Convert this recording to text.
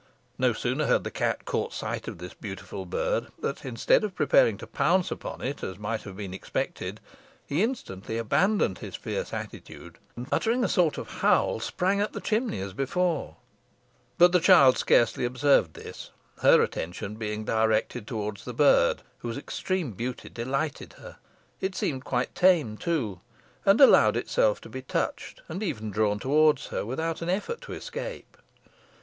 No sooner had the cat caught sight of this beautiful bird, than instead of preparing to pounce upon it, as might have been expected, he instantly abandoned his fierce attitude, and, uttering a sort of howl, sprang up the chimney as before. But the child scarcely observed this, her attention being directed towards the bird, whose extreme beauty delighted her. It seemed quite tame too, and allowed itself to be touched, and even drawn towards her, without an effort to escape.